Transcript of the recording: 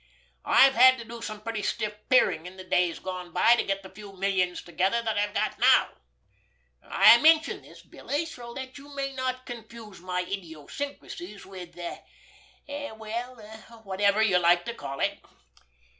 I've had to do some pretty stiff peering in the days gone by to get the few millions together that I've got now. I mention this, Billy, so that you may not confuse my idiosyncrasies with—well, whatever you like to call it.